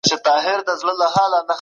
بازۍ ښه دي.